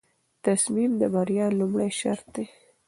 تصمیم د بریا لومړی شرط دی.